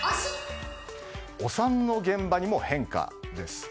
お産の現場にも変化です。